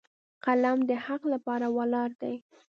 قلم د حق لپاره ولاړ دی